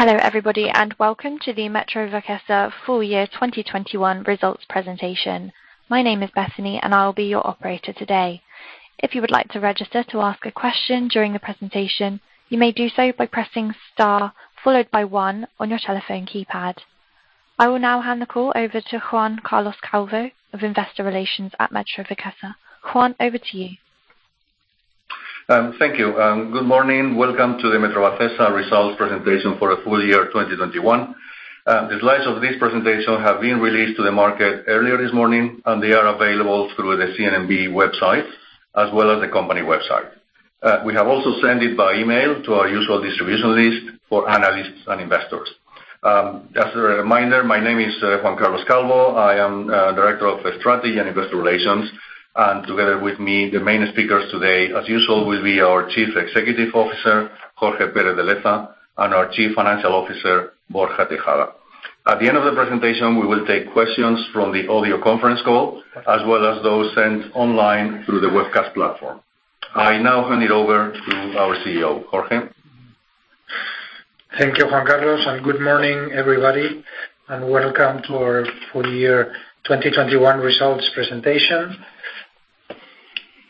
Hello, everybody, and welcome to the Metrovacesa full year 2021 results presentation. My name is Bethany, and I'll be your operator today. If you would like to register to ask a question during the presentation, you may do so by pressing star followed by one on your telephone keypad. I will now hand the call over to Juan Carlos Calvo of Investor Relations at Metrovacesa. Juan, over to you. Thank you. Good morning. Welcome to the Metrovacesa results presentation for the full year 2021. The slides of this presentation have been released to the market earlier this morning, and they are available through the CNMV website, as well as the company website. We have also sent it by email to our usual distribution list for analysts and investors. Just a reminder, my name is Juan Carlos Calvo. I am Director of Strategy and Investor Relations, and together with me, the main speakers today, as usual, will be our Chief Executive Officer, Jorge Pérez de Leza, and our Chief Financial Officer, Borja Tejada. At the end of the presentation, we will take questions from the audio conference call, as well as those sent online through the webcast platform. I now hand it over to our CEO, Jorge. Thank you, Juan Carlos, and good morning, everybody, and welcome to our full year 2021 results presentation.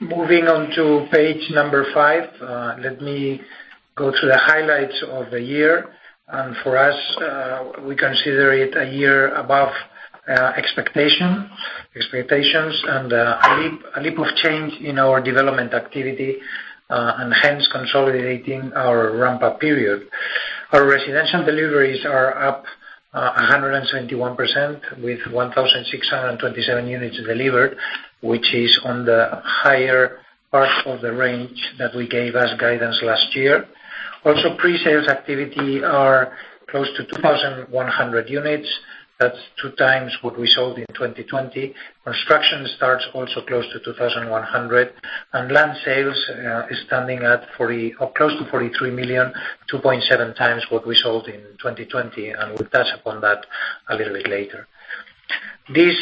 Moving on to page five, let me go through the highlights of the year. For us, we consider it a year above expectations and a leap of change in our development activity, and hence consolidating our ramp-up period. Our residential deliveries are up 171% with 1,627 units delivered, which is on the higher part of the range that we gave as guidance last year. Also, pre-sales activity are close to 2,100 units. That's 2x what we sold in 2020. Construction starts also close to 2,100. Land sales is standing at forty... or close to 43 million, 2.7x what we sold in 2020, and we'll touch upon that a little bit later. This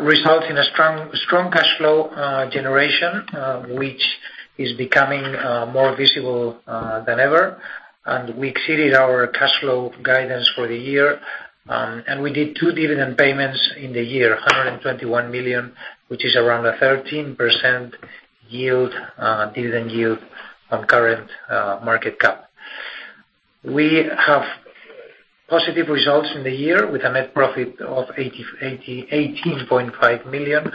results in a strong cash flow generation which is becoming more visible than ever. We exceeded our cash flow guidance for the year. We did two dividend payments in the year, 121 million, which is around a 13% yield, dividend yield on current market cap. We have positive results in the year with a net profit of 88.5 million.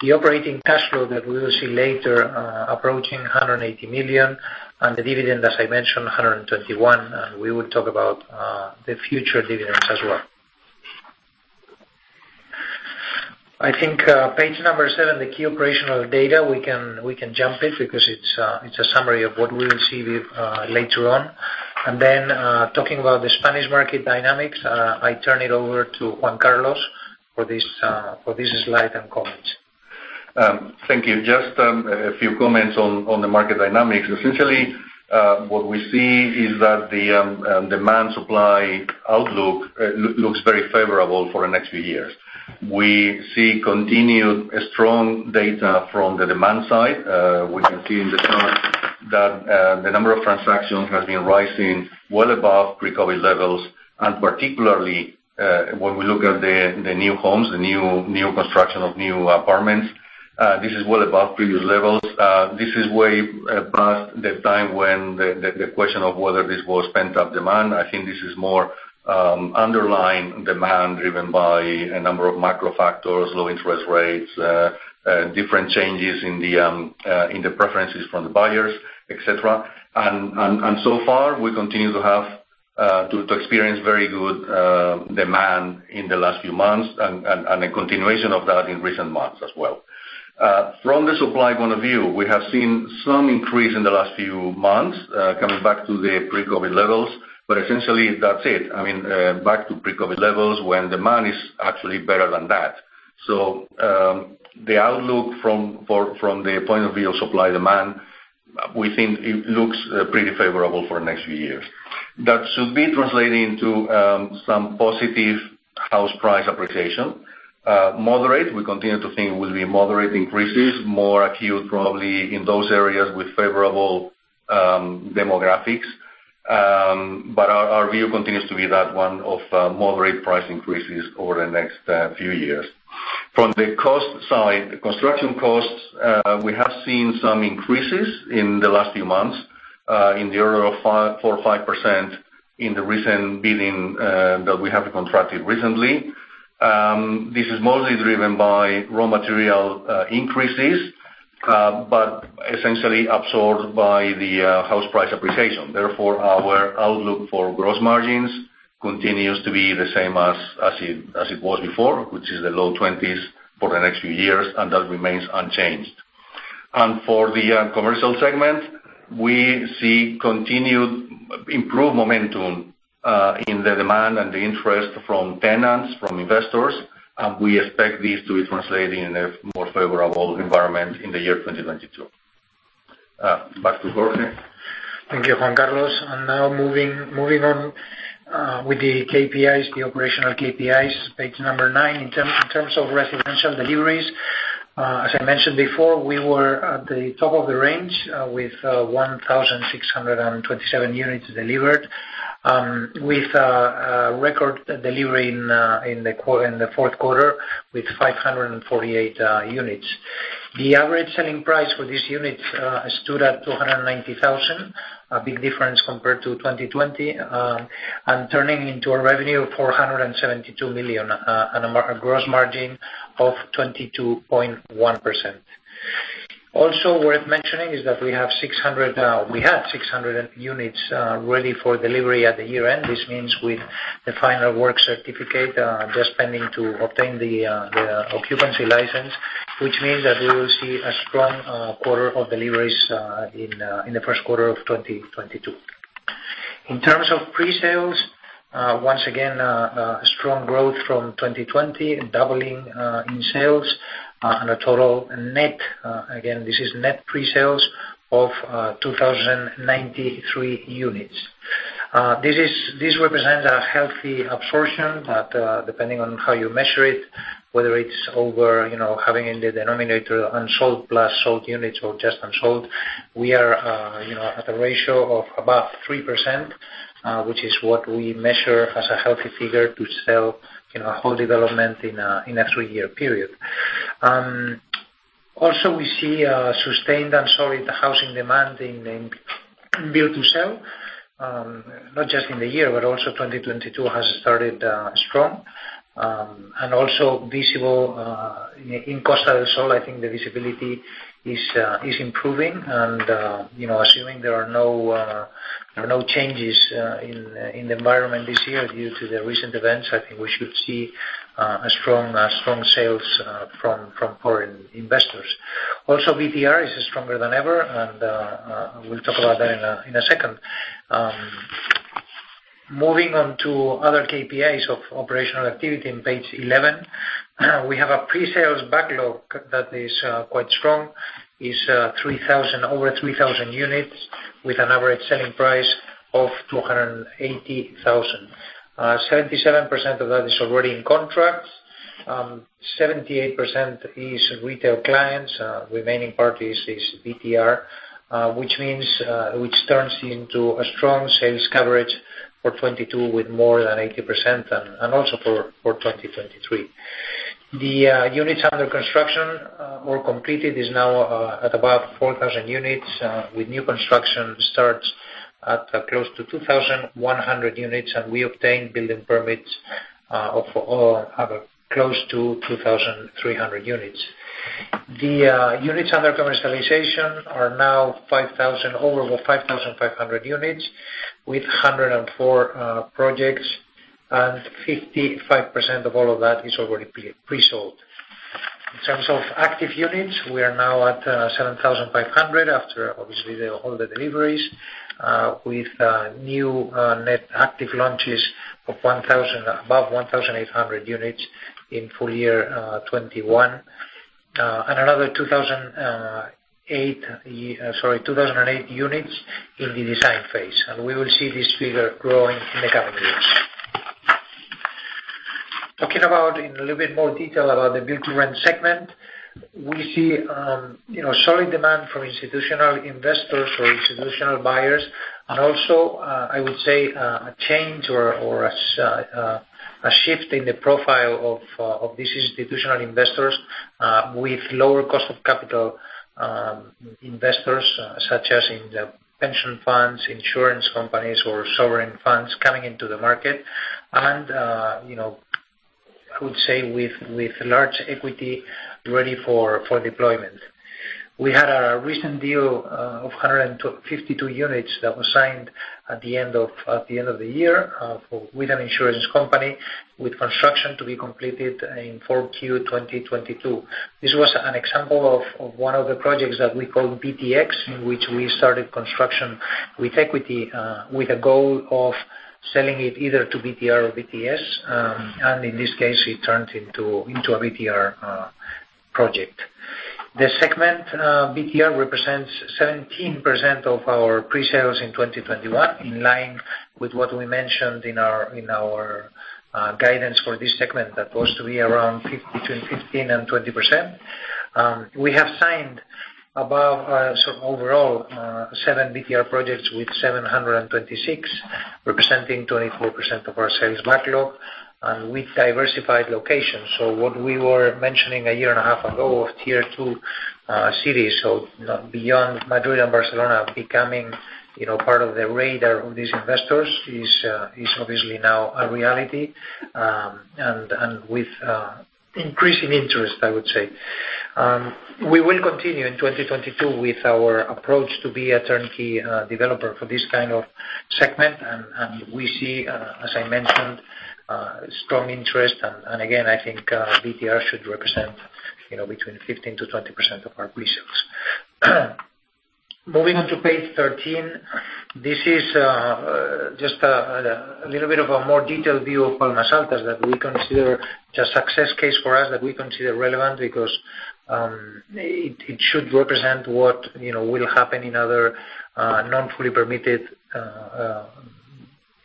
The operating cash flow that we will see later approaching 180 million, and the dividend, as I mentioned, 121 million, and we will talk about the future dividends as well. I think, page number seven, the key operational data, we can jump it because it's a summary of what we will see later on. Talking about the Spanish market dynamics, I turn it over to Juan Carlos for this slide and comments. Thank you. Just a few comments on the market dynamics. Essentially, what we see is that the demand supply outlook looks very favorable for the next few years. We see continued strong data from the demand side. We can see in the chart that the number of transactions has been rising well above pre-COVID levels, and particularly, when we look at the new homes, the new construction of new apartments, this is well above previous levels. This is way past the time when the question of whether this was pent-up demand. I think this is more underlying demand driven by a number of macro factors, low interest rates, different changes in the preferences from the buyers, etc. So far, we continue to have to experience very good demand in the last few months and a continuation of that in recent months as well. From the supply point of view, we have seen some increase in the last few months, coming back to the pre-COVID levels, but essentially that's it. I mean, back to pre-COVID levels when demand is actually better than that. The outlook from the point of view of supply-demand, we think it looks pretty favorable for next few years. That should be translating to some positive house price appreciation. Moderate, we continue to think it will be moderate increases, more acute probably in those areas with favorable demographics. Our view continues to be one of moderate price increases over the next few years. From the cost side, the construction costs, we have seen some increases in the last few months, in the order of 4%-5% in the recent bidding that we have contracted recently. This is mostly driven by raw material increases, but essentially absorbed by the house price appreciation. Therefore, our outlook for gross margins continues to be the same as it was before, which is the low 20s for the next few years, and that remains unchanged. For the commercial segment, we see continued improved momentum in the demand and the interest from tenants, from investors, and we expect this to be translating in a more favorable environment in 2022. Back to Jorge. Thank you, Juan Carlos. Now moving on with the KPIs, the operational KPIs, page nine. In terms of residential deliveries, as I mentioned before, we were at the top of the range with 1,627 units delivered, with a record delivery in the fourth quarter with 548 units. The average selling price for these units stood at 290,000, a big difference compared to 2020, and turning into a revenue of 472 million and a gross margin of 22.1%. Also worth mentioning is that we had 600 units ready for delivery at the year-end. This means with the final work certificate, just pending to obtain the occupancy license, which means that we will see a strong quarter of deliveries in the first quarter of 2022. In terms of pre-sales, once again, strong growth from 2020, doubling in sales, and a total net, again, this is net pre-sales of 2,093 units. This represents a healthy absorption, but depending on how you measure it, whether it's over, you know, having in the denominator unsold plus sold units or just unsold, we are, you know, at a ratio of about 3%, which is what we measure as a healthy figure to sell, you know, a whole development in a three-year period. Also we see a sustained and solid housing demand in build to sell, not just in the year, but also 2022 has started strong. Also visible in Costa del Sol, I think the visibility is improving. You know, assuming there are no changes in the environment this year due to the recent events, I think we should see strong sales from foreign investors. Also BTR is stronger than ever, and we'll talk about that in a second. Moving on to other KPIs of operational activity on page 11. We have a pre-sales backlog that is quite strong. It's over 3,000 units with an average selling price of 280,000. 77% of that is already in contract. 78% is retail clients. Remaining party is BTR, which turns into a strong sales coverage for 2022 with more than 80% and also for 2023. Units under construction or completed is now at about 4,000 units with new construction starts at close to 2,100 units, and we obtained building permits of close to 2,300 units. Units under commercialization are now 5,000, over 5,500 units with 104 projects, and 55% of all of that is already pre-sold. In terms of active units, we are now at 7,500 after obviously all the deliveries with new net active launches of 1,000 above 1,800 units in full year 2021. And another 2,008 units in the design phase. We will see this figure growing in the coming years. Talking about in a little bit more detail about the build-to-rent segment. We see you know solid demand from institutional investors or institutional buyers. I would say a change or a shift in the profile of these institutional investors with lower cost of capital investors such as pension funds, insurance companies, or sovereign funds coming into the market. I would say with large equity ready for deployment. We had a recent deal of a 152 units that was signed at the end of the year with an insurance company, with construction to be completed in 4Q 2022. This was an example of one of the projects that we call BTX, in which we started construction with equity with a goal of selling it either to BTR or BTS. In this case, it turned into a BTR project. The segment BTR represents 17% of our pre-sales in 2021, in line with what we mentioned in our guidance for this segment that was to be between 15%-20%. We have signed a lot, so overall, seven BTR projects with 726, representing 24% of our sales backlog and with diversified locations. What we were mentioning a year and a half ago in tier two cities beyond Madrid and Barcelona becoming, you know, part of the radar of these investors is obviously now a reality. With increasing interest, I would say. We will continue in 2022 with our approach to be a turnkey developer for this kind of segment. We see, as I mentioned, strong interest. Again, I think BTR should represent, you know, between 15%-20% of our pre-sales. Moving on to page 13. This is just a little bit of a more detailed view of Palmas Altas that we consider a success case for us, that we consider relevant because it should represent what, you know, will happen in other non-fully permitted developments.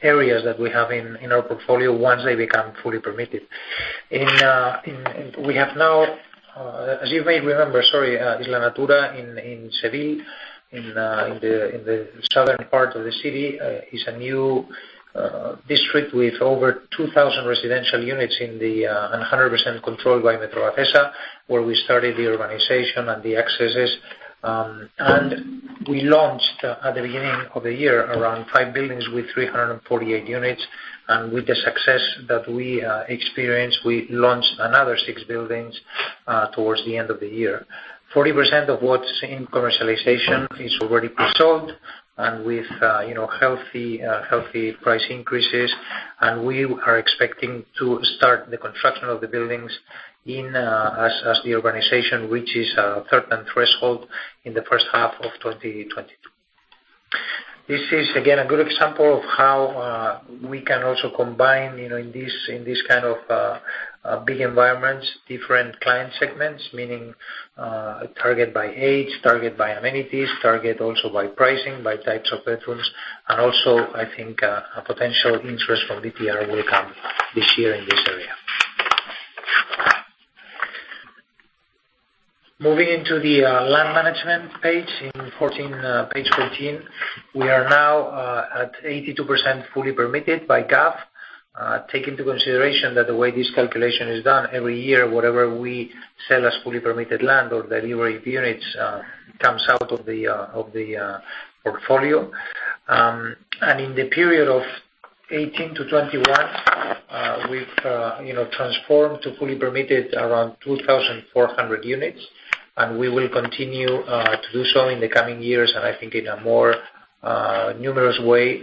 Areas that we have in our portfolio once they become fully permitted. We have now, as you may remember, sorry, Isla Natura in Seville, in the southern part of the city, is a new district with over 2,000 residential units and 100% controlled by Metrovacesa, where we started the urbanization and the accesses. We launched at the beginning of the year around five buildings with 348 units, and with the success that we experienced, we launched another six buildings towards the end of the year. 40% of what's in commercialization is already pre-sold and with, you know, healthy price increases. We are expecting to start the construction of the buildings as the organization reaches a certain threshold in the first half of 2022. This is again a good example of how we can also combine, you know, in this kind of big environments, different client segments, meaning target by age, target by amenities, target also by pricing, by types of bedrooms. Also, I think, a potential interest from BTR will come this year in this area. Moving into the land management page 14, we are now at 82% fully permitted by GAV. Take into consideration that the way this calculation is done every year, whatever we sell as fully permitted land or delivery of units comes out of the portfolio. In the period of 2018-2021, we've you know transformed to fully permitted around 2,400 units, and we will continue to do so in the coming years. I think in a more numerous way,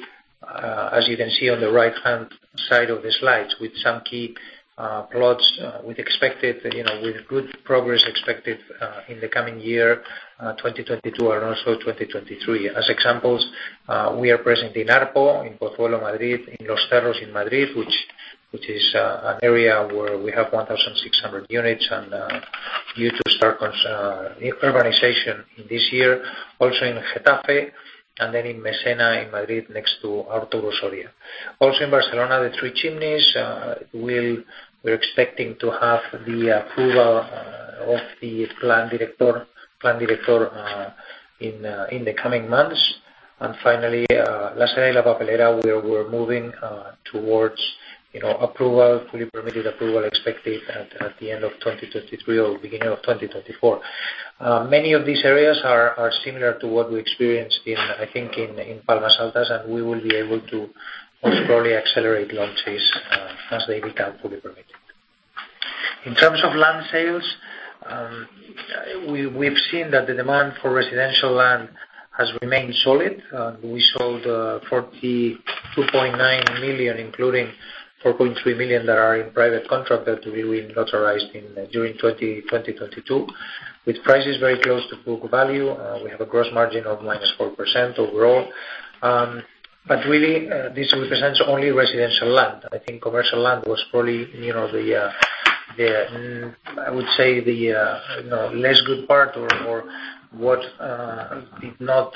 as you can see on the right-hand side of the slides, with some key plots with good progress expected in the coming year, 2022 and also 2023. As examples, we are present in ARPO, in Pozuelo, Madrid, in Los Cerros in Madrid, which is an area where we have 1,600 units and due to start construction, urbanization this year. Also in Getafe, and then in Mesena in Madrid, next to Arturo Soria. Also in Barcelona, Tres Chimeneas, we're expecting to have the approval of the plan director in the coming months. Finally, La Seda La Papelera, we are moving towards, you know, approval, fully permitted approval expected at the end of 2023 or beginning of 2024. Many of these areas are similar to what we experienced in, I think, Palmas Altas, and we will be able to most probably accelerate launches as they become fully permitted. In terms of land sales, we've seen that the demand for residential land has remained solid. We sold 42.9 million, including 4.3 million that are in private contract that will be notarized in during 2022. With prices very close to book value, we have a gross margin of -4% overall. Really, this represents only residential land. I think commercial land was probably, you know, I would say the, you know, less good part or what did not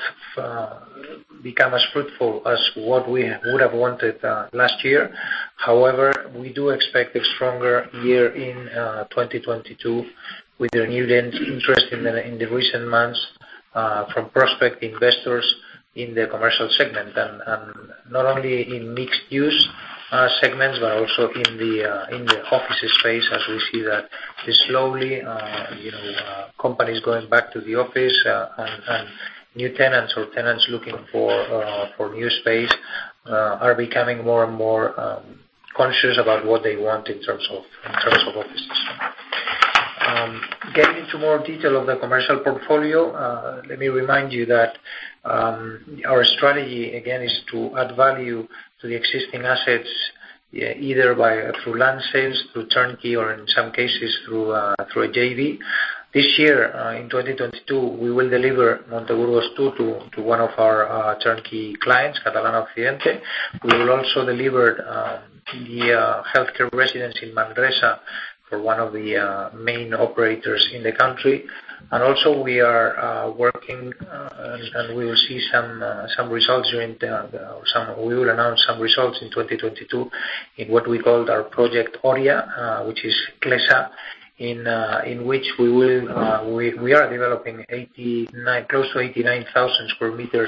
become as fruitful as what we would have wanted last year. However, we do expect a stronger year in 2022 with the renewed interest in the recent months from prospective investors in the commercial segment. Not only in mixed use segments, but also in the office space as we see that slowly, you know, companies going back to the office, and new tenants or tenants looking for new space are becoming more and more conscious about what they want in terms of offices. Getting into more detail of the commercial portfolio, let me remind you that our strategy again is to add value to the existing assets, either through land sales, through turnkey, or in some cases through a JV. This year, in 2022, we will deliver Monteburgos two to one of our turnkey clients, Catalana Occidente. We will also deliver the healthcare residence in Manresa for one of the main operators in the country. We are working and we will see some results. We will announce some results in 2022 in what we called our Proyecto Oria, which is Clesa, in which we are developing close to 89,000 sq m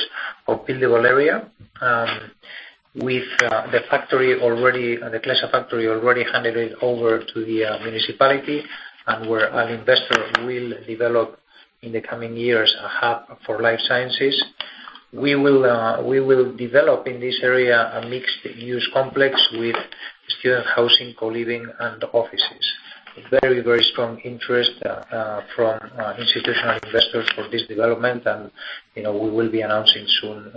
of buildable area, with the factory already, the Clesa factory already handed it over to the municipality and where an investor will develop in the coming years a hub for life sciences. We will develop in this area a mixed-use complex with student housing, co-living and offices. Very, very strong interest from institutional investors for this development and, you know, we will be announcing soon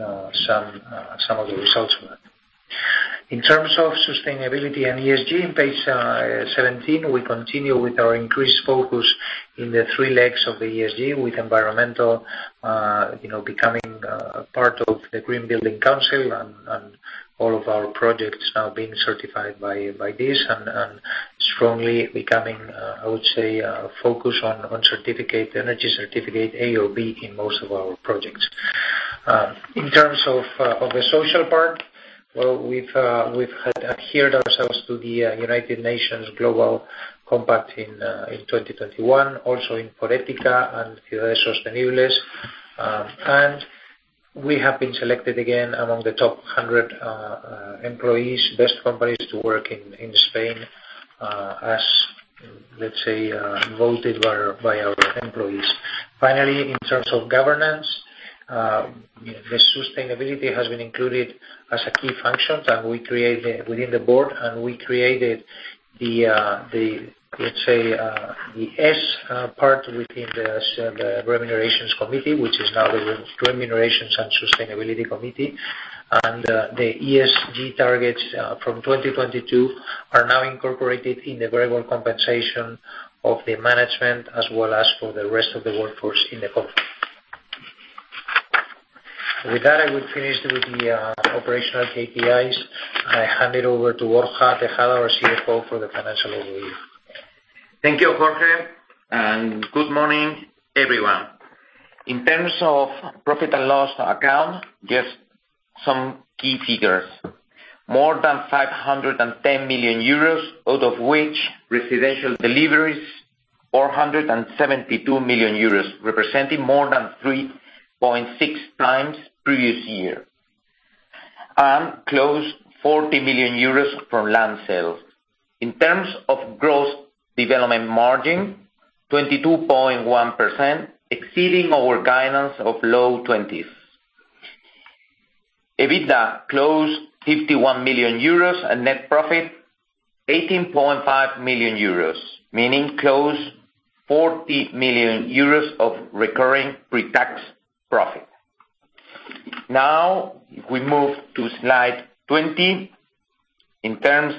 some of the results from that. In terms of sustainability and ESG, on page 17, we continue with our increased focus in the three legs of the ESG with environmental, you know, becoming a part of the Green Building Council and all of our projects now being certified by this. Strongly becoming, I would say, focused on energy certificate A or B in most of our projects. In terms of the social part, well, we've adhered ourselves to the United Nations Global Compact in 2021. Also in Forética and Ciudades Sostenibles. We have been selected again among the top 100 best companies to work in Spain, as voted by our employees. Finally, in terms of governance, the sustainability has been included as a key function, and we created within the board the S part within the remunerations committee, which is now the remunerations and sustainability committee. The ESG targets from 2022 are now incorporated in the variable compensation of the management, as well as for the rest of the workforce in the company. With that, I will finish with the operational KPIs, and I hand it over to Borja Tejada, our CFO, for the financial overview. Thank you, Jorge, and good morning, everyone. In terms of profit and loss account, just some key figures. More than 510 million euros, out of which residential deliveries, 472 million euros, representing more than 3.6x previous year. Close to 40 million euros from land sales. In terms of gross development margin, 22.1%, exceeding our guidance of low 20s. EBITDA closed 51 million euros, and net profit 18.5 million euros, meaning close to 40 million euros of recurring pre-tax profit. Now, if we move to slide 20, in terms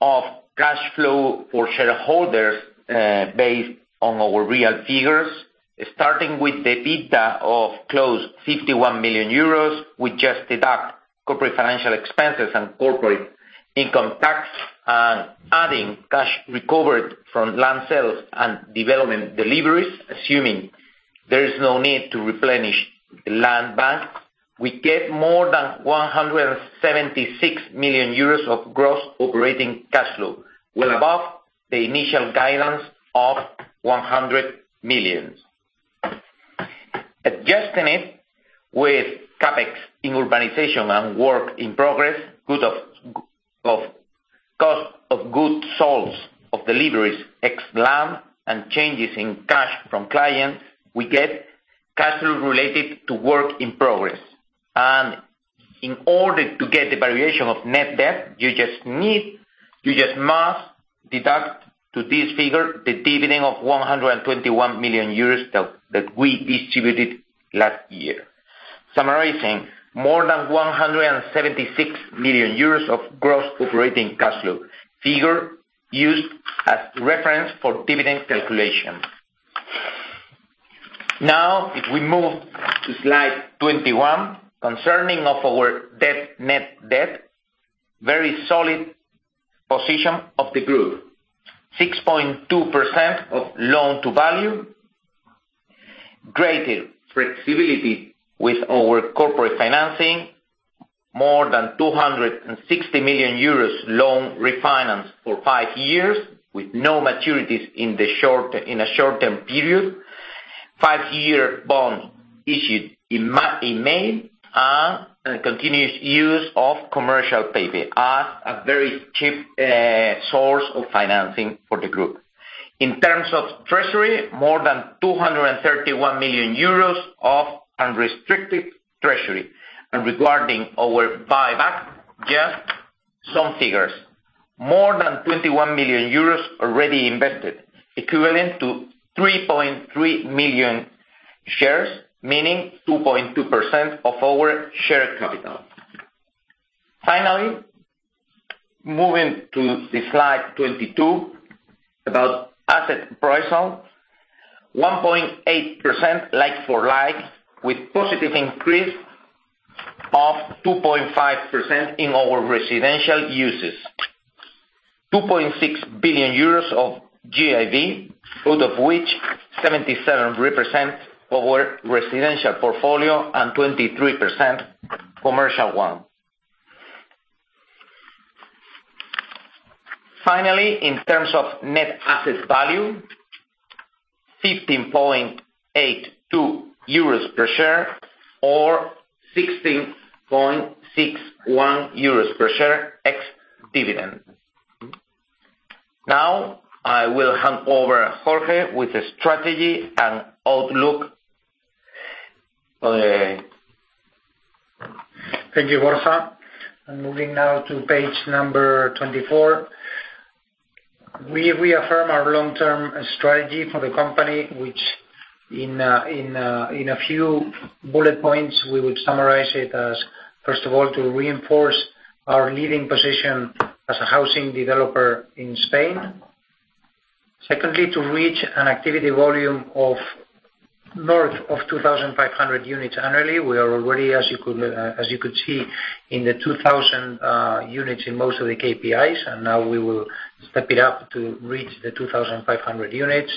of cash flow for shareholders, based on our real figures, starting with the EBITDA of close 51 million euros, we just deduct corporate financial expenses and corporate income tax, and adding cash recovered from land sales and development deliveries, assuming there is no need to replenish the land bank, we get more than 176 million euros of gross operating cash flow, well above the initial guidance of 100 million. Adjusting it with CapEx in urbanization and work in progress, cost of goods sold of deliveries ex land and changes in cash from clients, we get cash flow related to work in progress. In order to get the variation of net debt, you just must deduct to this figure the dividend of 121 million euros that we distributed last year. Summarizing, more than 176 million euros of gross operating cash flow, figure used as reference for dividend calculation. Now, if we move to slide 21, concerning of our debt, net debt, very solid position of the group. 6.2% of loan to value, greater flexibility with our corporate financing, more than 260 million euros loan refinance for 5 years with no maturities in a short-term period. 5-year bond issued in May, and continuous use of commercial paper are a very cheap source of financing for the group. In terms of treasury, more than 231 million euros of unrestricted treasury. Regarding our buyback, just some figures. More than 21 million euros already invested, equivalent to 3.3 million shares, meaning 2.2% of our share capital. Finally, moving to slide 22, about asset price. 1.8% like for like, with positive increase of 2.5% in our residential uses. 2.6 billion euros of GAV, out of which 77% represent our residential portfolio and 23% commercial one. Finally, in terms of net asset value, 15.82 euros per share or 16.61 euros per share ex-dividend. Now, I will hand over to Jorge with the strategy and outlook for the- Thank you, Borja. I'm moving now to page number 24. We reaffirm our long-term strategy for the company, which in a few bullet points, we would summarize it as, first of all, to reinforce our leading position as a housing developer in Spain. Secondly, to reach an activity volume of north of 2,500 units annually. We are already, as you could see, in the 2,000 units in most of the KPIs, and now we will step it up to reach the 2,500 units.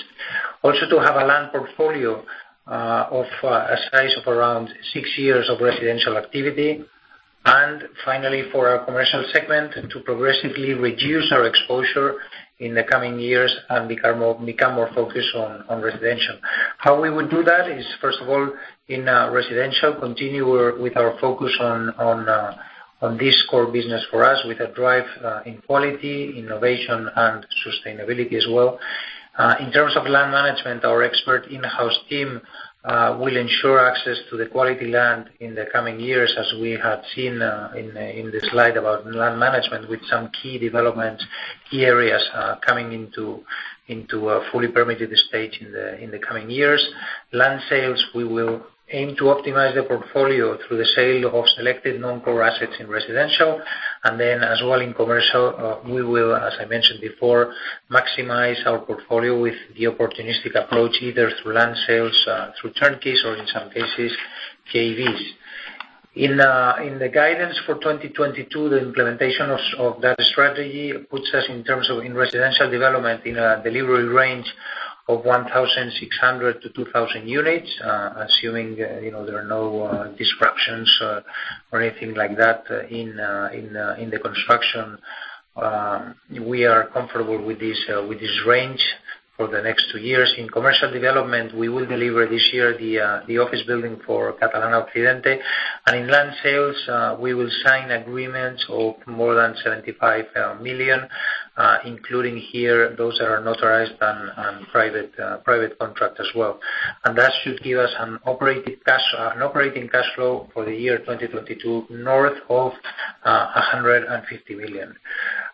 Also to have a land portfolio, of a size of around six years of residential activity. Finally, for our commercial segment, to progressively reduce our exposure in the coming years and become more focused on residential. How we would do that is, first of all, in residential, continue with our focus on this core business for us with a drive in quality, innovation and sustainability as well. In terms of land management, our expert in-house team will ensure access to the quality land in the coming years, as we have seen in the slide about land management, with some key developments, key areas coming into a fully permitted stage in the coming years. Land sales, we will aim to optimize the portfolio through the sale of selected non-core assets in residential. Then as well in commercial, we will, as I mentioned before, maximize our portfolio with the opportunistic approach, either through land sales, through turnkey or in some cases JVs. In the guidance for 2022, the implementation of that strategy puts us in terms of in residential development in a delivery range of 1,600-2,000 units, assuming, you know, there are no disruptions or anything like that in the construction. We are comfortable with this range for the next two years. In commercial development, we will deliver this year the office building for Catalana Occidente. In land sales, we will sign agreements of more than 75 million, including here those that are notarized and private contract as well. That should give us an operating cash flow for the year 2022, north of 150 million.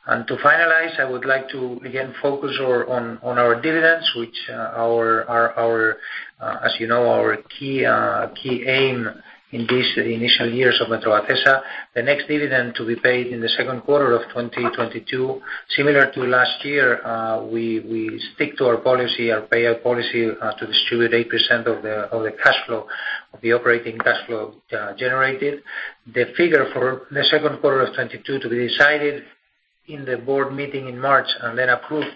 To finalize, I would like to again focus on our dividends, which, as you know, our key aim in these initial years of Metrovacesa. The next dividend to be paid in the second quarter of 2022, similar to last year, we stick to our policy, our payout policy, to distribute 8% of the cash flow, of the operating cash flow, generated. The figure for the second quarter of 2022 to be decided in the board meeting in March and then approved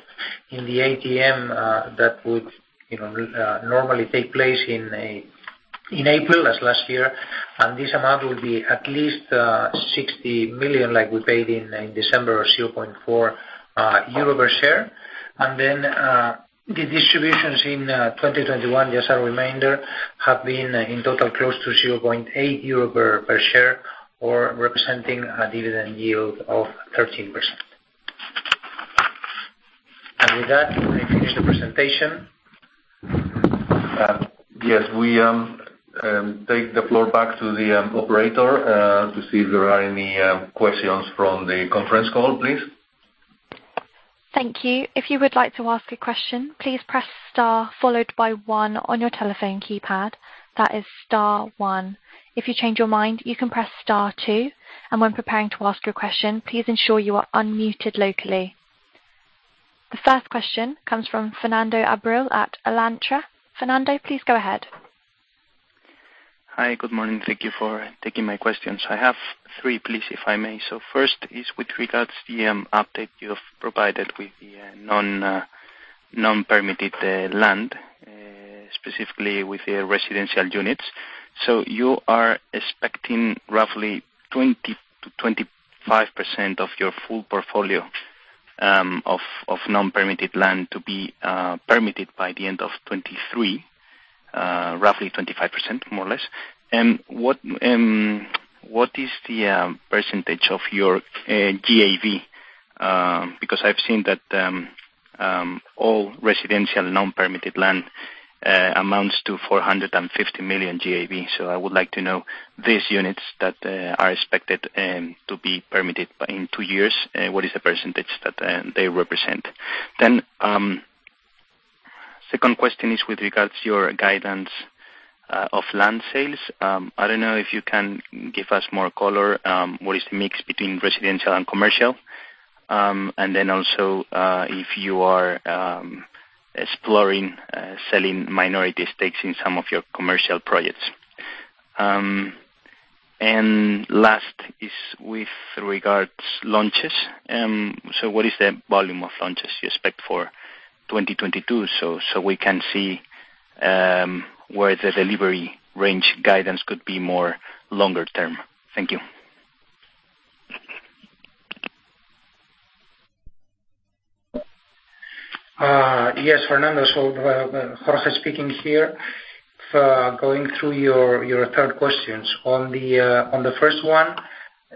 in the AGM, that would, you know, normally take place in April, as last year. This amount will be at least 60 million, like we paid in December, 0.4 euro per share. The distributions in 2021, just a reminder, have been in total close to 0.8 euro per share or representing a dividend yield of 13%. With that, I finish the presentation. Yes. We take the floor back to the operator to see if there are any questions from the conference call, please. Thank you. If you would like to ask a question, please press star followed by one on your telephone keypad. That is star one. If you change your mind, you can press star two. When preparing to ask your question, please ensure you are unmuted locally. The first question comes from Fernando Abril at Alantra. Fernando, please go ahead. Hi, good morning. Thank you for taking my questions. I have three, please, if I may. First is with regard to the update you have provided with the non-permitted land, specifically with the residential units. You are expecting roughly 20%-25% of your full portfolio of non-permitted land to be permitted by the end of 2023, roughly 25%, more or less. What is the percentage of your GAV? Because I've seen that all residential non-permitted land amounts to 450 million GAV. I would like to know these units that are expected to be permitted in two years, what is the percentage that they represent? Second question is with regard to your guidance of land sales. I don't know if you can give us more color, what is the mix between residential and commercial. Then also, if you are exploring selling minority stakes in some of your commercial projects. Last is with regards launches. What is the volume of launches you expect for 2022, so we can see where the delivery range guidance could be more longer term. Thank you. Yes, Fernando. Jorge speaking here. Going through your third questions. On the first one,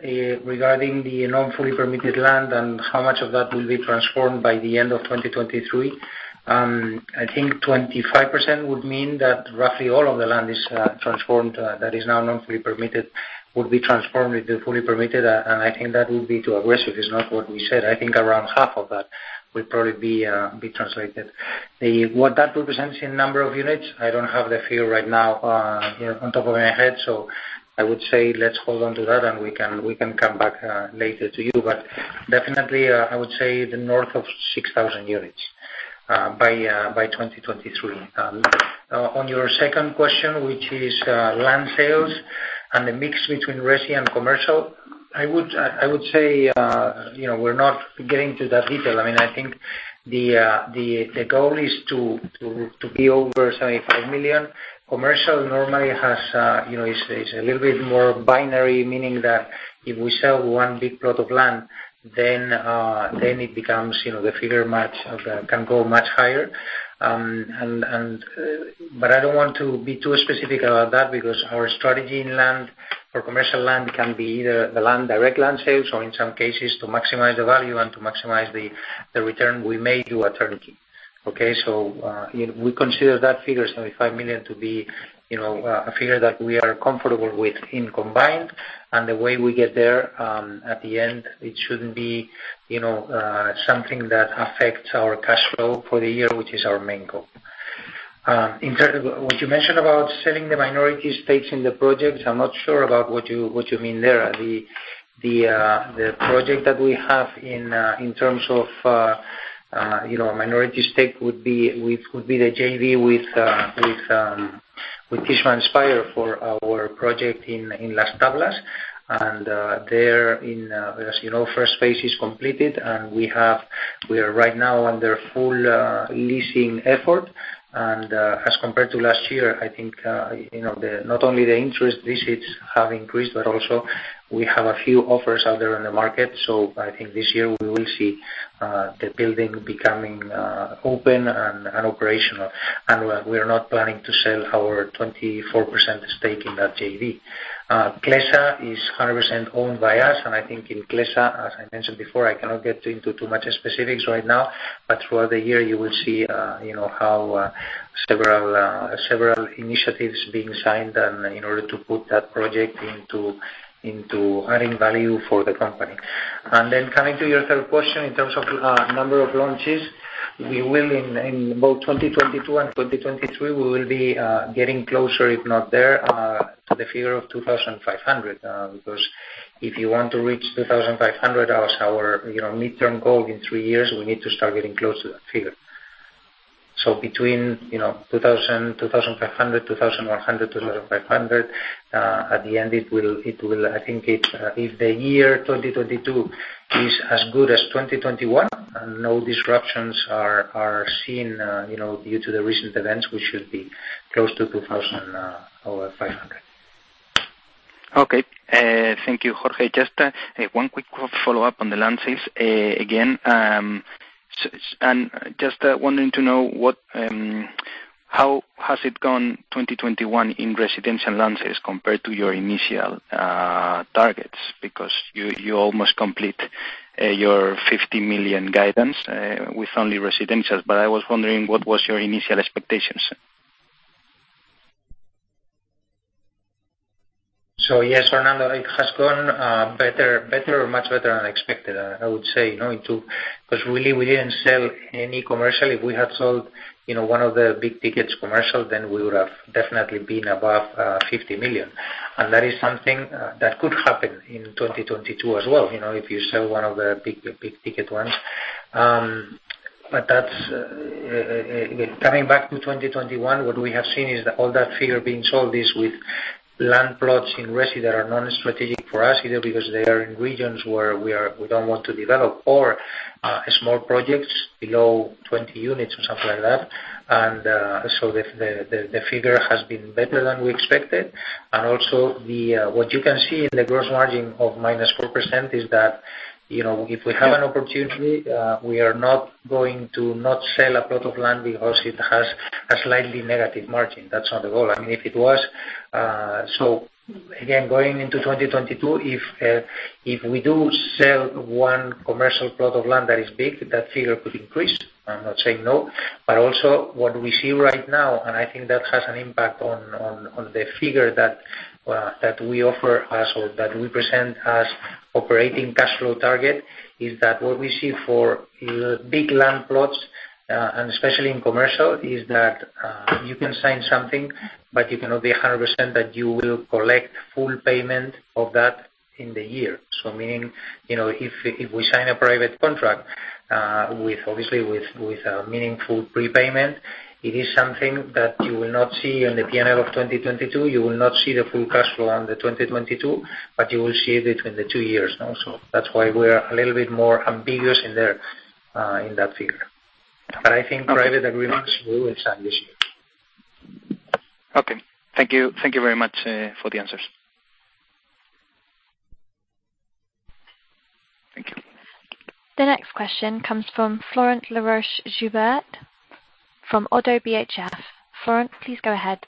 regarding the non-fully permitted land and how much of that will be transformed by the end of 2023, I think 25% would mean that roughly all of the land is transformed, that is now non-fully permitted, will be transformed into fully permitted. And I think that would be too aggressive. It's not what we said. I think around half of that will probably be transformed. What that represents in number of units, I don't have the figure right now here on top of my head. I would say let's hold on to that, and we can come back later to you. Definitely, I would say north of 6,000 units by 2023. On your second question, which is land sales and the mix between resi and commercial, I would say, you know, we're not getting to that detail. I mean, I think the goal is to be over 75 million. Commercial normally has, you know, is a little bit more binary, meaning that if we sell one big plot of land then it becomes, you know, the figure can go much higher. And... I don't want to be too specific about that because our strategy in land for commercial land can be either the land, direct land sales or in some cases to maximize the value and to maximize the return we may do a turnkey. Okay. You know, we consider that figure 75 million to be you know a figure that we are comfortable with in combined. And the way we get there at the end, it shouldn't be you know something that affects our cash flow for the year, which is our main goal. In terms of what you mentioned about selling the minority stakes in the projects, I'm not sure about what you mean there. The project that we have in terms of you know a minority stake would be the JV with Tishman Speyer for our project in Las Tablas. There as you know first phase is completed, and we are right now under full leasing effort. As compared to last year, I think you know not only the interest visits have increased, but also we have a few offers out there in the market. I think this year we will see the building becoming open and operational. We're not planning to sell our 24% stake in that JV. Clesa is 100% owned by us, and I think in Clesa, as I mentioned before, I cannot get into too much specifics right now. Throughout the year you will see, you know, how several initiatives being signed and in order to put that project into adding value for the company. Then coming to your third question, in terms of number of launches, we will in both 2022 and 2023, we will be getting closer, if not there, to the figure of 2,500. Because if you want to reach 2,500, that was our, you know, midterm goal in three years, we need to start getting close to that figure. Between 2,100 and 2,500, you know, at the end it will, I think, if the year 2022 is as good as 2021 and no disruptions are seen, you know, due to the recent events, we should be close to 2,500. Okay. Thank you, Jorge. Just one quick follow-up on the land sales again. Wanting to know how has it gone, 2021 in residential land sales compared to your initial targets? Because you almost complete your 50 million guidance with only residentials, but I was wondering what was your initial expectations. Yes, Fernando, it has gone better or much better than expected, I would say. You know, 'cause really we didn't sell any commercial. If we had sold, you know, one of the big tickets commercial, then we would have definitely been above 50 million. That is something that could happen in 2022 as well, you know, if you sell one of the big ticket ones. But that's coming back to 2021, what we have seen is all that figure being sold is with land plots in resi that are non-strategic for us either because they are in regions where we don't want to develop or small projects below 20 units or something like that. The figure has been better than we expected. Also, what you can see in the gross margin of -4% is that, you know, if we have an opportunity, we are not going to not sell a plot of land because it has a slightly negative margin. That's not the goal. I mean, if it was, so again, going into 2022, if we do sell one commercial plot of land that is big, that figure could increase. I'm not saying no. Also what we see right now, and I think that has an impact on the figure that we offer as or that we present as operating cash flow target, is that what we see for big land plots and especially in commercial, is that you can sign something, but it cannot be 100% that you will collect full payment of that in the year. Meaning, you know, if we sign a private contract with obviously a meaningful prepayment, it is something that you will not see on the P&L of 2022. You will not see the full cash flow on the 2022, but you will see it in the two years now. That's why we are a little bit more ambiguous in there in that figure. I think private agreements we will sign this year. Okay. Thank you. Thank you very much for the answers. Thank you. The next question comes from Florent Laroche-Joubert from ODDO BHF. Florent, please go ahead.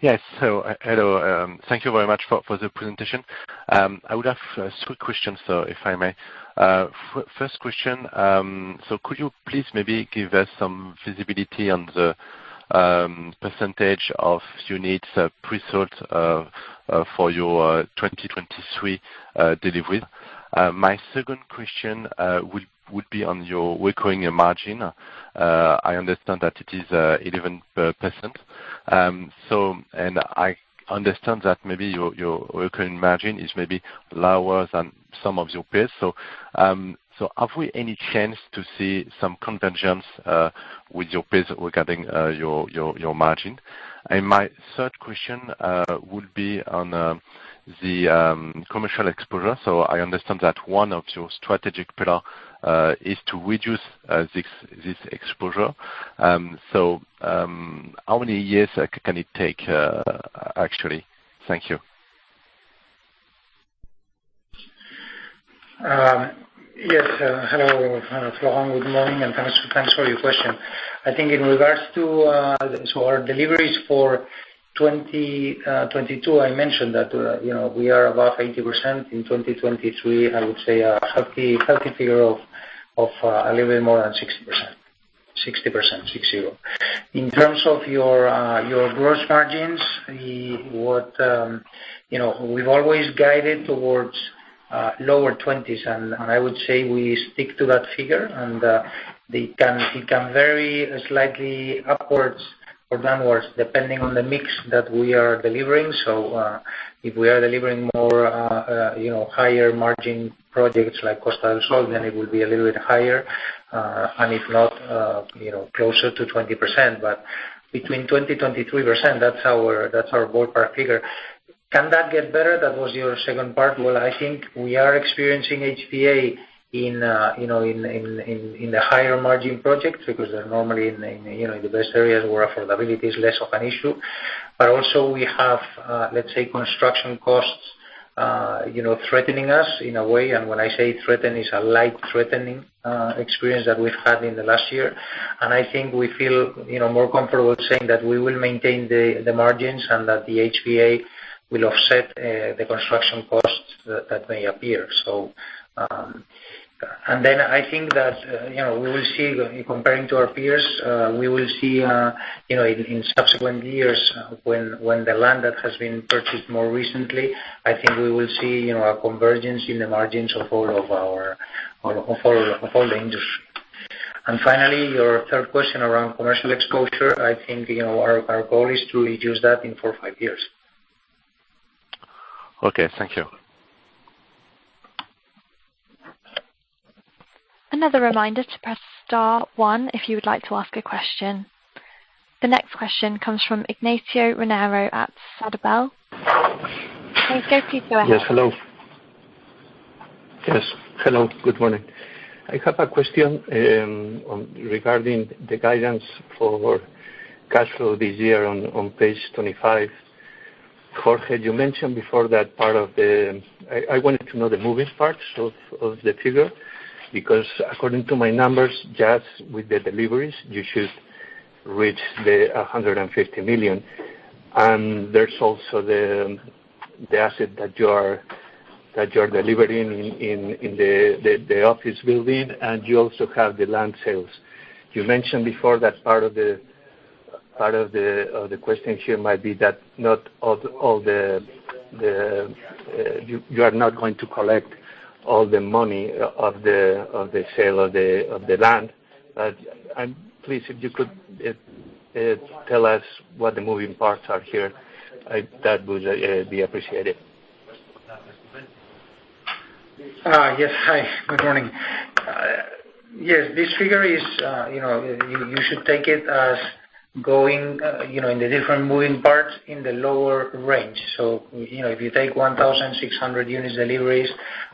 Hello. Thank you very much for the presentation. I would have two questions, if I may. First question. Could you please maybe give us some visibility on the percentage of units pre-sold for your 2023 deliveries. My second question would be on your recurring margin. I understand that it is 11%. I understand that maybe your recurring margin is maybe lower than some of your peers. Have we any chance to see some convergence with your peers regarding your margin? My third question would be on the commercial exposure. I understand that one of your strategic pillar is to reduce this exposure. How many years can it take, actually? Thank you. Yes. Hello, Florent. Good morning, and thanks for your question. I think in regards to our deliveries for 2022, I mentioned that, you know, we are above 80%. In 2023, I would say a healthy figure of a little bit more than 60%. 60%, six-zero. In terms of your gross margins, you know, we've always guided towards lower 20s, and I would say we stick to that figure. They can vary slightly upwards or downwards depending on the mix that we are delivering. If we are delivering more, you know, higher margin projects like Costa del Sol, then it will be a little bit higher. And if not, you know, closer to 20%. Between 20%-23%, that's our ballpark figure. Can that get better? That was your second part. Well, I think we are experiencing HPA in the higher margin projects because they're normally in the best areas where affordability is less of an issue. But also we have, let's say, construction costs threatening us in a way. And when I say threaten, it's a light threatening experience that we've had in the last year. And I think we feel more comfortable saying that we will maintain the margins and that the HPA will offset the construction costs that may appear. I think that, you know, we will see, comparing to our peers, we will see, you know, in subsequent years when the land that has been purchased more recently, I think we will see, you know, a convergence in the margins of all the industry. Finally, your third question around commercial exposure. I think, you know, our goal is to reduce that in four to five years. Okay. Thank you. Another reminder to press star one if you would like to ask a question. The next question comes from Ignacio Romero at Sabadell. Ignacio, please go ahead. Good morning. I have a question regarding the guidance for cash flow this year on page 25. Jorge, you mentioned before that part of the. I wanted to know the moving parts of the figure, because according to my numbers, just with the deliveries, you should reach 150 million. There's also the asset that you are delivering in the office building, and you also have the land sales. You mentioned before that part of the question here might be that not all the. You are not going to collect all the money of the sale of the land. But I'm. Please, if you could tell us what the moving parts are here, I'd. That would be appreciated. Yes. Hi. Good morning. Yes. This figure is, you know, you should take it as going, you know, in the different moving parts in the lower range. You know, if you take 1,600 units deliveries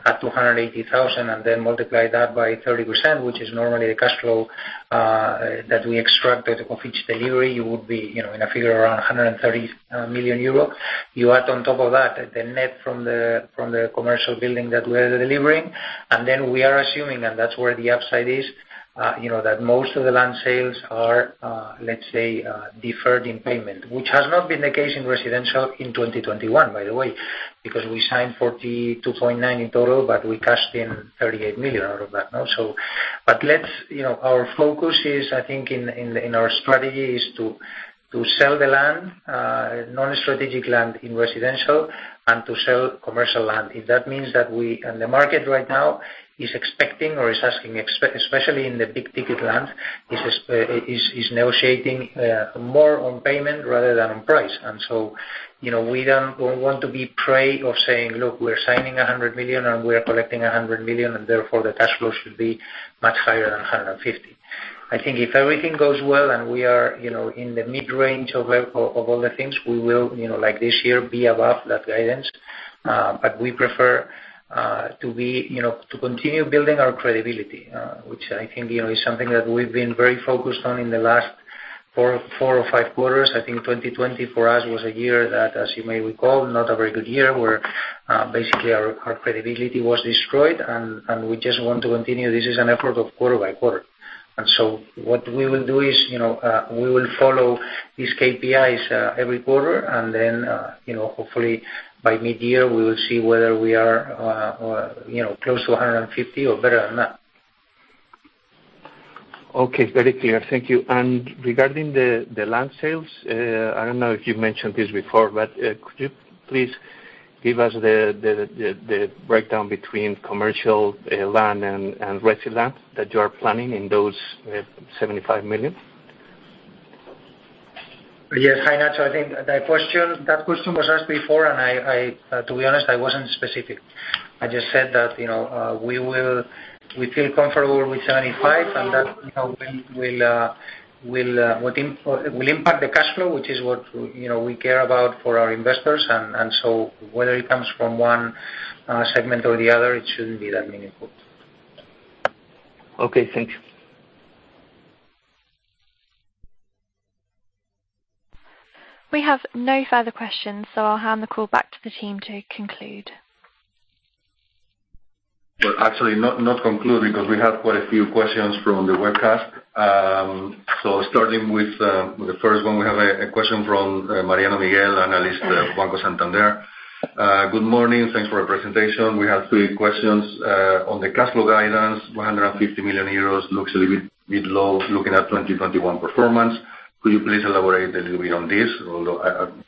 at 280,000 and then multiply that by 30%, which is normally the cash flow that we extracted of each delivery, you would be, you know, in a figure around 130 million euros. You add on top of that the net from the commercial building that we are delivering. We are assuming, and that's where the upside is, you know, that most of the land sales are, let's say, deferred in payment. Which has not been the case in residential in 2021, by the way, because we signed 42.9 million in total, but we cashed in 38 million out of that, no? Let's, you know, our focus is, I think, in our strategy to sell the land, non-strategic land in residential and to sell commercial land. If that means that we. The market right now is expecting or is asking, especially in the big-ticket land, negotiating more on payment rather than on price. You know, we don't want to be prey to saying, "Look, we're signing 100 million and we are collecting 100 million, and therefore the cash flow should be much higher than 150 million." I think if everything goes well and we are, you know, in the mid-range of all the things, we will, you know, like this year, be above that guidance. We prefer to be, you know, to continue building our credibility, which I think, you know, is something that we've been very focused on in the last four or five quarters. I think 2020 for us was a year that, as you may recall, not a very good year, where basically our credibility was destroyed and we just want to continue. This is an effort of quarter by quarter. What we will do is, you know, we will follow these KPIs every quarter, and then, you know, hopefully by mid-year we will see whether we are, you know, close to 150 or better than that. Okay. Very clear. Thank you. Regarding the land sales, I don't know if you've mentioned this before, but could you please give us the breakdown between commercial land and residential land that you are planning in those 75 million? Yes. Hi, Nacho. I think that question was asked before, and to be honest, I wasn't specific. I just said that, you know, we feel comfortable with 75, and that, you know, will impact the cash flow, which is what, you know, we care about for our investors. Whether it comes from one segment or the other, it shouldn't be that meaningful. Okay. Thank you. We have no further questions, so I'll hand the call back to the team to conclude. Well, actually, not conclude because we have quite a few questions from the webcast. So starting with the first one, we have a question from Mariano Miguel, analyst, Banco Santander. Good morning. Thanks for your presentation. We have three questions. On the cash flow guidance, 150 million euros looks a little bit low looking at 2021 performance. Could you please elaborate a little bit on this? Although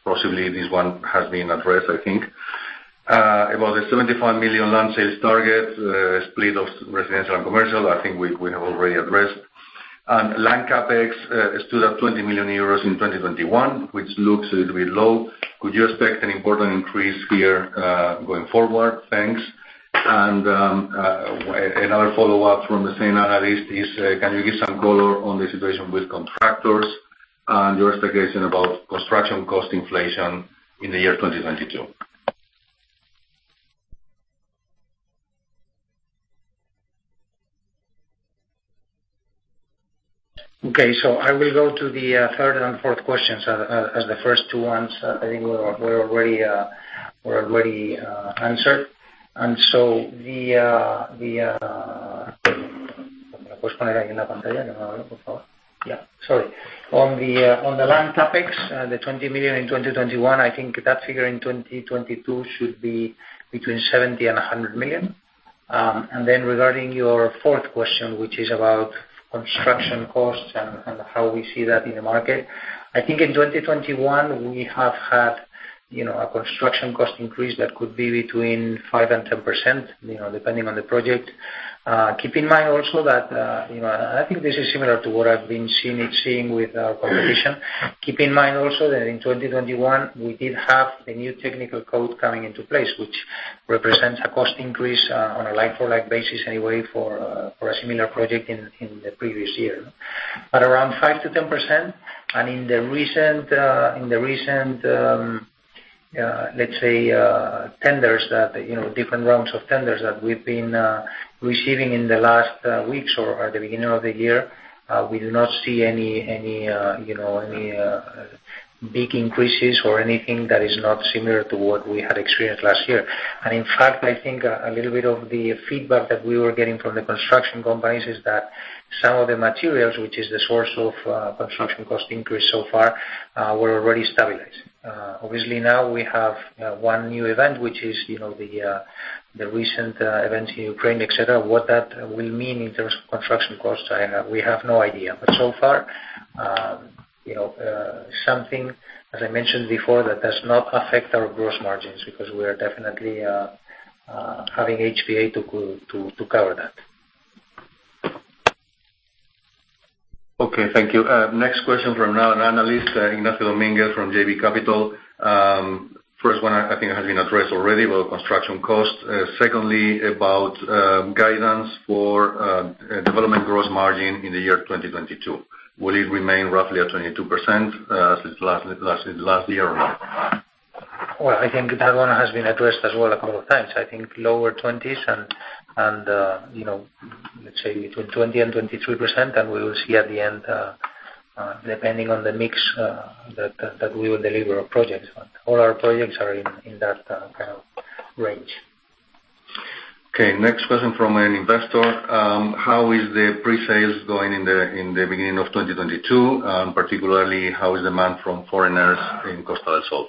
possibly this one has been addressed, I think. About the 75 million land sales target, split of residential and commercial, I think we have already addressed. Land CapEx stood at 20 million euros in 2021, which looks a little bit low. Could you expect an important increase here going forward? Thanks. Another follow-up from the same analyst is, can you give some color on the situation with contractors and your expectation about construction cost inflation in the year 2022? I will go to the third and fourth questions, as the first two ones I think were already answered. On the land topics, the 20 million in 2021, I think that figure in 2022 should be between 70 million and 100 million. And then regarding your fourth question, which is about construction costs and how we see that in the market. I think in 2021 we have had, you know, a construction cost increase that could be between 5% and 10%, you know, depending on the project. Keep in mind also that, you know, I think this is similar to what I've been seeing with our competition. Keep in mind also that in 2021 we did have a new technical code coming into place, which represents a cost increase on a like-for-like basis anyway for a similar project in the previous year. Around 5%-10%. In the recent, let's say, tenders that, you know, different rounds of tenders that we've been receiving in the last weeks or at the beginning of the year, we do not see any, you know, any big increases or anything that is not similar to what we had experienced last year. I think a little bit of the feedback that we were getting from the construction companies is that some of the materials, which is the source of construction cost increase so far, were already stabilized. Obviously now we have one new event, which is, you know, the recent events in Ukraine, etc. What that will mean in terms of construction costs, we have no idea. So far, something as I mentioned before, that does not affect our gross margins because we are definitely having HPA to cover that. Okay. Thank you. Next question from another analyst, Ignacio Domínguez from JB Capital. First one I think has been addressed already about construction costs. Secondly, about guidance for development gross margin in the year 2022. Will it remain roughly at 22% since last year or not? Well, I think that one has been addressed as well a couple of times. I think lower twenties, you know, let's say between 20%-23%, and we will see at the end, depending on the mix that we will deliver our projects on. All our projects are in that kind of range. Okay. Next question from an investor. How is the pre-sales going in the beginning of 2022? Particularly, how is demand from foreigners in Costa del Sol?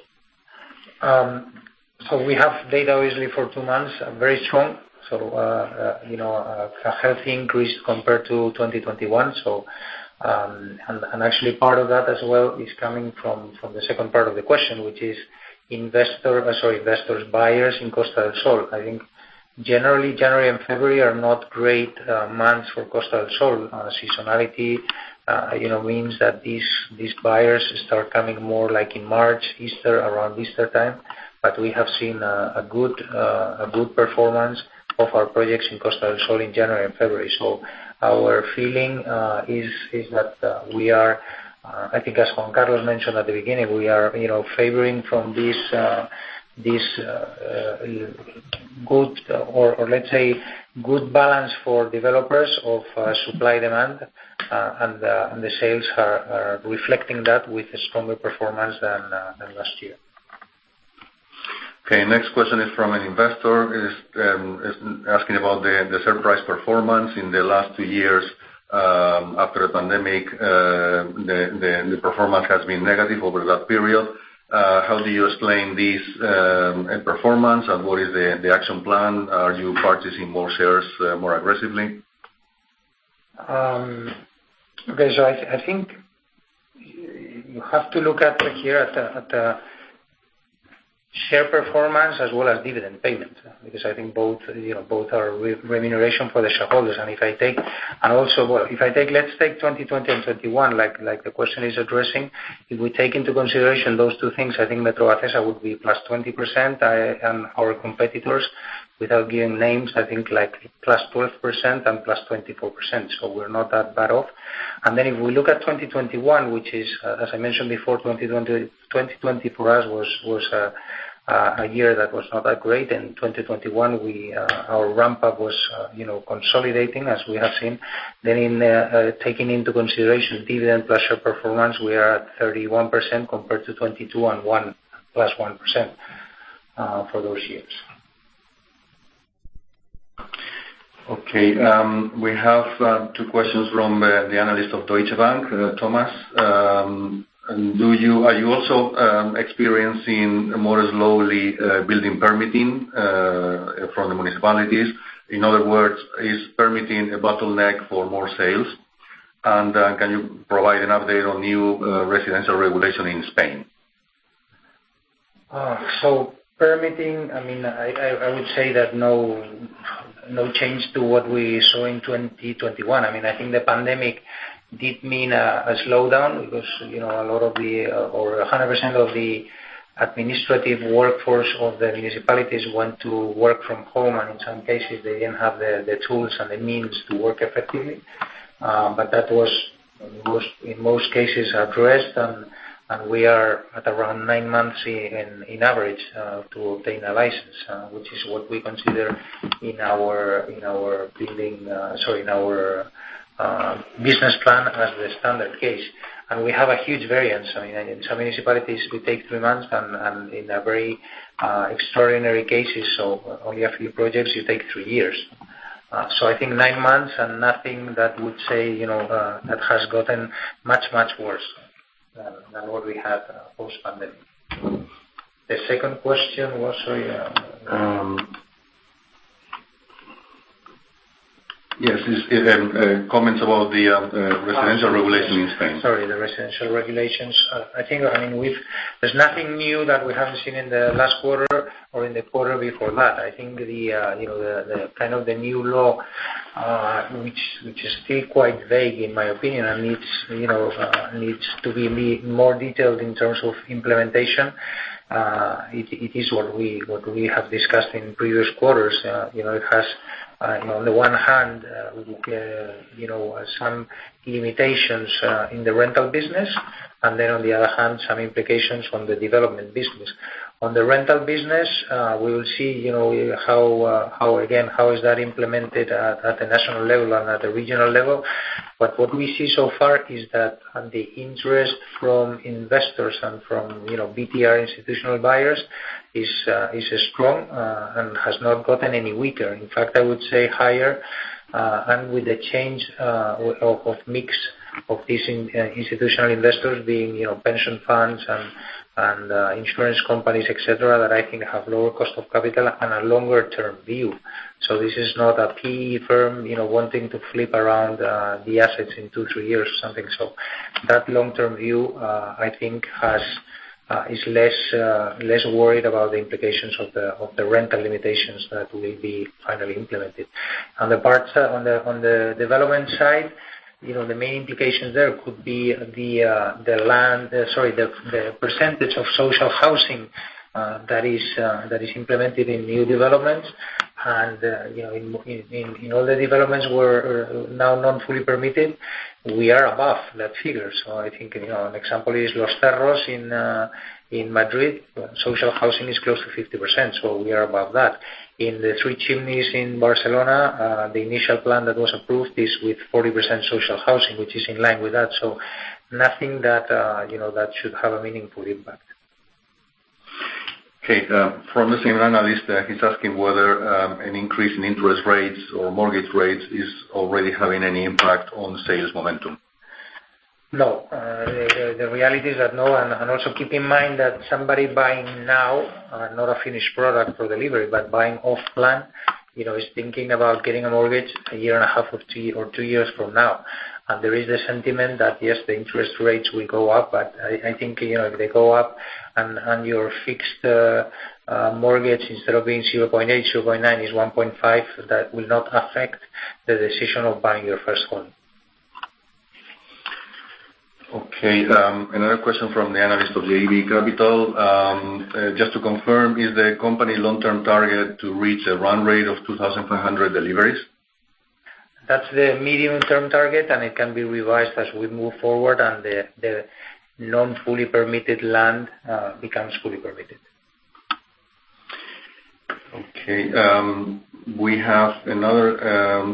We have data obviously for two months, very strong. You know, a healthy increase compared to 2021. Actually part of that as well is coming from the second part of the question, which is investors, buyers in Costa del Sol. I think generally January and February are not great months for Costa del Sol. Seasonality, you know, means that these buyers start coming more like in March, Easter, around Easter time. We have seen a good performance of our projects in Costa del Sol in January and February. Our feeling is that, I think as Juan Carlos mentioned at the beginning, we are, you know, benefiting from this good or let's say good balance for developers of supply-demand, and the sales are reflecting that with a stronger performance than last year. Okay. Next question is from an investor. He is asking about the surprising performance in the last two years after the pandemic. The performance has been negative over that period. How do you explain this performance, and what is the action plan? Are you purchasing more shares more aggressively? I think you have to look at the share performance as well as dividend payment, because I think both, you know, both are remuneration for the shareholders. If I take, let's take 2020 and 2021, like the question is addressing. If we take into consideration those two things, I think Metrovacesa would be +20%. Our competitors, without giving names, I think, like, +12% and +24%. We're not that bad off. If we look at 2021, which is, as I mentioned before, 2020 for us was a year that was not that great. In 2021, our ramp up was, you know, consolidating, as we have seen. Taking into consideration dividend plus share performance, we are at 31% compared to 22%, and 1%, +1% for those years. Okay. We have two questions from the analyst of Deutsche Bank, Thomas. Are you also experiencing slower building permitting from the municipalities? In other words, is permitting a bottleneck for more sales? Can you provide an update on new residential regulation in Spain? Permitting, I mean, I would say that no change to what we saw in 2021. I mean, I think the pandemic did mean a slowdown because, you know, 100% of the administrative workforce of the municipalities went to work from home, and in some cases they didn't have the tools and the means to work effectively. That was in most cases addressed and we are at around nine months in average to obtain a license, which is what we consider in our building, sorry, in our business plan as the standard case. We have a huge variance. I mean, in some municipalities it could take three months and in a very extraordinary cases, so only a few projects, you take three years. I think nine months and nothing that would say, you know, that has gotten much worse than what we had post-pandemic. The second question was Yes. Comments about the residential regulation in Spain. Sorry, the residential regulations. I think, I mean, there's nothing new that we haven't seen in the last quarter or in the quarter before that. I think you know, the kind of the new law, which is still quite vague in my opinion, and needs you know, to be more detailed in terms of implementation. It is what we have discussed in previous quarters. You know, it has on the one hand you know, some limitations in the rental business. On the other hand, some implications on the development business. On the rental business, we will see you know, how again, how is that implemented at the national level and at the regional level. What we see so far is that the interest from investors and from, you know, BTR institutional buyers is strong and has not gotten any weaker. In fact, I would say higher. With the change of mix of these institutional investors being, you know, pension funds and insurance companies, etc., that I think have lower cost of capital and a longer term view. This is not a key firm, you know, wanting to flip around the assets in two, three years or something. That long term view, I think, is less worried about the implications of the rental limitations that will be finally implemented. On the development side, you know, the main implications there could be the percentage of social housing that is implemented in new developments. In all the developments we're now not fully permitted. We are above that figure. I think, you know, an example is Los Cerros in Madrid. Social housing is close to 50%, so we are above that. In the Tres Chimeneas in Barcelona, the initial plan that was approved is with 40% social housing, which is in line with that. Nothing that should have a meaningful impact. Okay. From the same analyst, he's asking whether an increase in interest rates or mortgage rates is already having any impact on sales momentum. No. The reality is that no. Also keep in mind that somebody buying now, not a finished product for delivery, but buying off-plan, you know, is thinking about getting a mortgage a year and a half or two years from now. There is the sentiment that, yes, the interest rates will go up, but I think, you know, if they go up and your fixed mortgage, instead of being 0.8%, 0.9%, is 1.5%, that will not affect the decision of buying your first home. Okay. Another question from the analyst of JB Capital. Just to confirm, is the company long-term target to reach a run rate of 2,400 deliveries? That's the medium-term target, and it can be revised as we move forward and the non-fully permitted land becomes fully permitted. Okay. We have another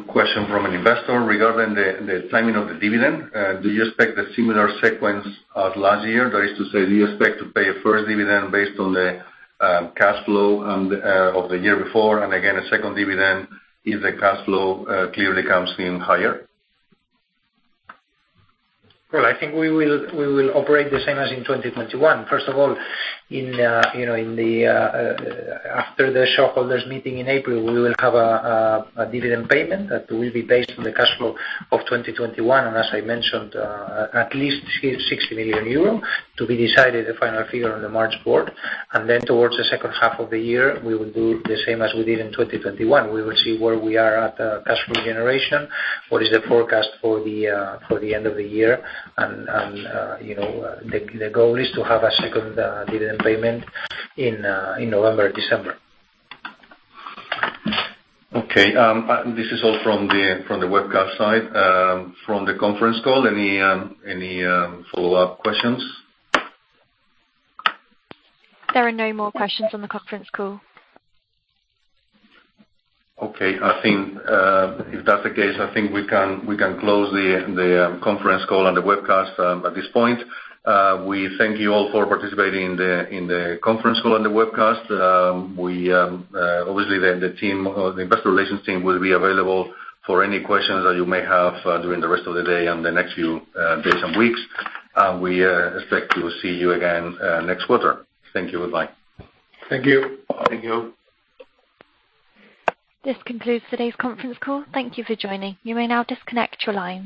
question from an investor regarding the timing of the dividend. Do you expect a similar sequence as last year? That is to say, do you expect to pay a first dividend based on the cash flow and of the year before, and again, a second dividend if the cash flow clearly comes in higher? Well, I think we will operate the same as in 2021. First of all, you know, in the after the shareholders meeting in April, we will have a dividend payment that will be based on the cash flow of 2021. As I mentioned, at least 60 million euro, to be decided the final figure on the March board. Then towards the second half of the year, we will do the same as we did in 2021. We will see where we are at cash flow generation, what is the forecast for the end of the year. You know, the goal is to have a second dividend payment in November, December. Okay. This is all from the webcast side. From the conference call, any follow-up questions? There are no more questions on the conference call. Okay. I think if that's the case, I think we can close the conference call and the webcast at this point. We thank you all for participating in the conference call and the webcast. Obviously the team, or the investor relations team, will be available for any questions that you may have during the rest of the day and the next few days and weeks. We expect to see you again next quarter. Thank you. Goodbye. Thank you. Thank you. This concludes today's conference call. Thank you for joining. You may now disconnect your line.